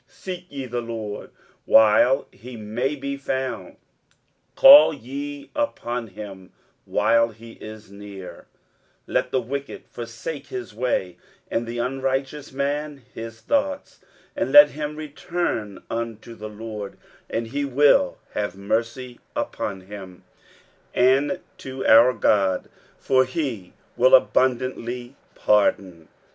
23:055:006 Seek ye the LORD while he may be found, call ye upon him while he is near: 23:055:007 Let the wicked forsake his way, and the unrighteous man his thoughts: and let him return unto the LORD, and he will have mercy upon him; and to our God, for he will abundantly pardon.